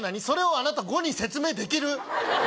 それをあなた５に説明できる？